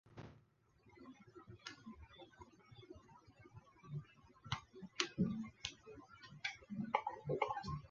中轴骨是骨骼系统的一部分。